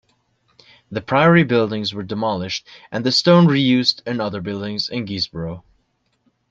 The priory buildings were demolished and the stone re-used in other buildings in Guisborough.